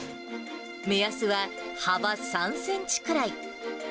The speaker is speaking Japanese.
目安は幅３センチくらい。